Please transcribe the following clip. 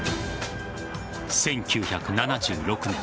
１９７６年